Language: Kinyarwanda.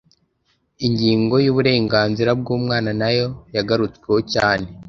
Ingingo yuburenganzira bwumwana nayo yagarutsweho cyane